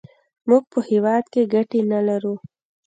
موږ په هېواد کې ګټې نه لرو.